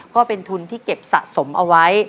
ก็เป็นทุนที่เก็บสะสมเอาไว้